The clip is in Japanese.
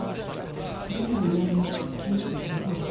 どんな依頼も引き受けてくださると。